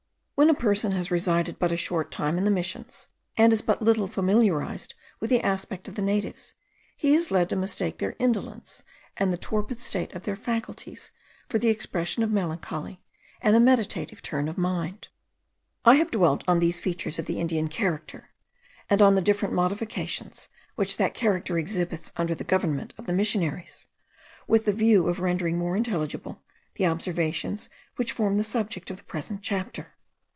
When a person has resided but a short time in the Missions, and is but little familiarized with the aspect of the natives, he is led to mistake their indolence, and the torpid state of their faculties, for the expression of melancholy, and a meditative turn of mind. I have dwelt on these features of the Indian character, and on the different modifications which that character exhibits under the government of the missionaries, with the view of rendering more intelligible the observations which form the subject of the present chapter.